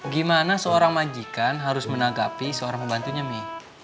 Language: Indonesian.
gimana seorang majikan harus menanggapi seorang pembantunya mi